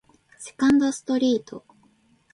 セカンドストリート